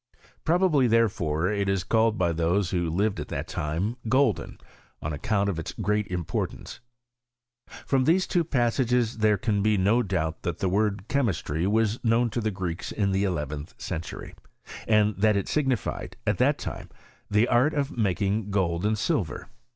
Probably, therefore, it was called by those who lived at that time, golden y on account of its great importance."* ■ From these two passages there can be no doubt that the word chemistTry was known to the Greeks in the ele venth century ; and that it signified, at that time, the art of making gold and silver.